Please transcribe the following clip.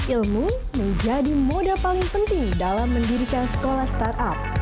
ilmu menjadi moda paling penting dalam mendirikan sekolah startup